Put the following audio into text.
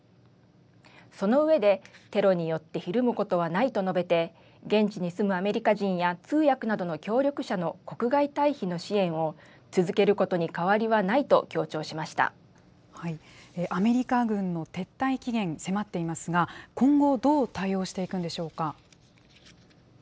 その上で、テロによってひるむことはないと述べて、現地に住むアメリカ人や、通訳などの協力者の国外退避の支援を続けることに変わりはないとアメリカ軍の撤退期限、迫っていますが、今後、どう対応していくんでしょうか。